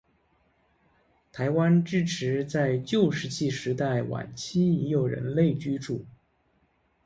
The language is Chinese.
台湾至迟在旧石器时代晚期已有人类居住。